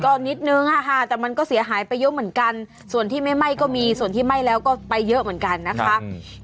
ก็นิดนึงค่ะแต่มันก็เสียหายไปเยอะเหมือนกันส่วนที่ไม่ไหม้ก็มีส่วนที่ไหม้แล้วก็ไปเยอะเหมือนกันนะคะ